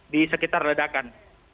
di sekitar ledakan